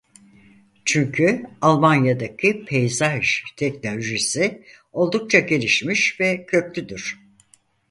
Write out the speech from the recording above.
Çünkü Almanya'daki peyzaj teknolojisi oldukça gelişmiş ve köklüdür.